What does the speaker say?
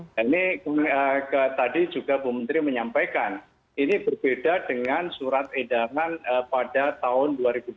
dan ini tadi juga bumetri menyampaikan ini berbeda dengan surat edaran pada tahun dua ribu dua puluh